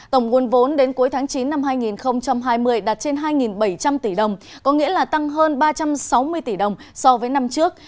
tổng nguồn vốn đến cuối tháng chín năm hai nghìn hai mươi đạt trên hai bảy trăm linh tỷ đồng có nghĩa là tăng hơn ba trăm sáu mươi tỷ đồng so với năm trước